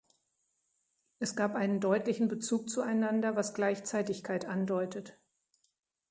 Es gab einen deutlichen Bezug zueinander, was Gleichzeitigkeit andeutet.